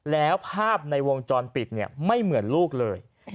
แล้วภาพในวงจรปิดไม่เหมือนลูกเลย